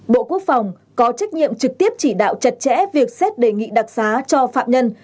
bộ quốc phòng có trách nhiệm trực tiếp chỉ đạo chặt chẽ việc xét đề nghị đặc xá cho phạm nhân